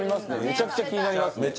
めちゃくちゃ気になりますね